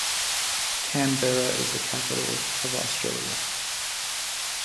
Canberra is the capital of Australia.